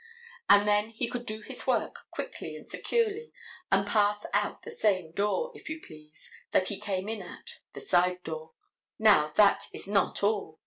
And then he could do his work quickly and securely, and pass out the same door, if you please, that he came in at, the side door. Now, that is not all.